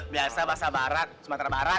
biasa bahasa barat sumatera barat